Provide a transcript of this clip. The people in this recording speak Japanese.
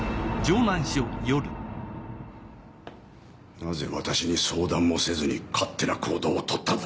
なぜ私に相談もせずに勝手な行動をとったんだ！